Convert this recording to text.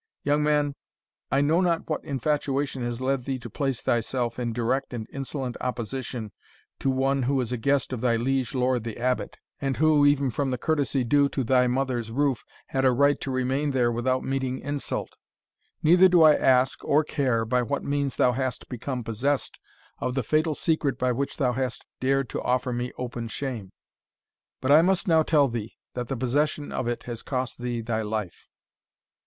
Young man, I know not what infatuation has led thee to place thyself in direct and insolent opposition to one who is a guest of thy liege lord the Abbot, and who, even from the courtesy due to thy mother's roof, had a right to remain there without meeting insult. Neither do I ask, or care, by what means thou hast become possessed of the fatal secret by which thou hast dared to offer me open shame. But I must now tell thee, that the possession of it has cost thee thy life."